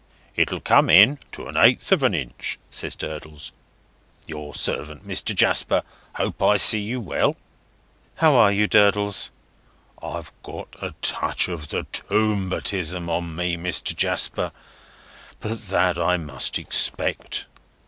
"It'll come in to a eighth of a inch," says Durdles. "Your servant, Mr. Jasper. Hope I see you well." "How are you Durdles?" "I've got a touch of the Tombatism on me, Mr. Jasper, but that I must expect."